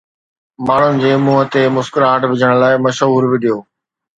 ماڻهن جي منهن تي مسڪراهٽ وجهڻ لاءِ مشهور وڊيو